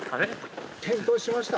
・転倒しました